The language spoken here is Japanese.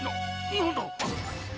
何だ？